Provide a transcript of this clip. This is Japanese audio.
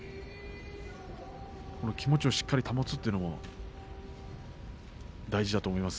気持ちをしっかり保つというのも大事だと思います。